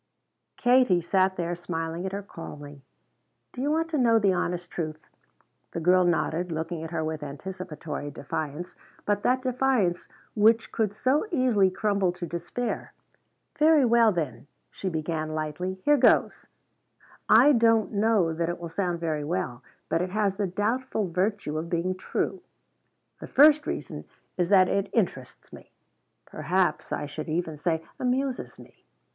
Katie sat there smiling at her calmly. "Do you want to know the honest truth?" The girl nodded, looking at her with anticipatory defiance, but that defiance which could so easily crumble to despair. "Very well then," she began lightly, "here goes. I don't know that it will sound very well, but it has the doubtful virtue of being true. The first reason is that it interests me; perhaps I should even say amuses me.